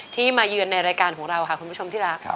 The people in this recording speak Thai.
มาเยือนในรายการของเราค่ะคุณผู้ชมที่รัก